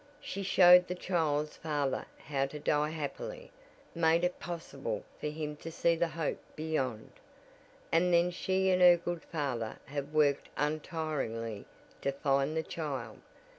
She showed the child's father how to die happily made it possible for him to see the hope beyond, and then she and her good father have worked untiringly to find the child.